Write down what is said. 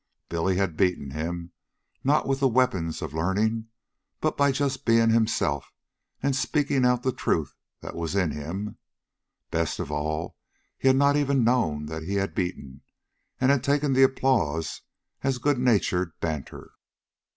Billy had beaten him, not with the weapons of learning, but just by being himself and by speaking out the truth that was in him. Best of all, he had not even known that he had beaten, and had taken the applause as good natured banter.